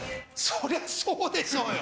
そりゃそうでしょうよ。